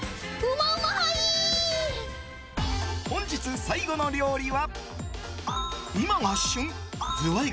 本日最後の料理は。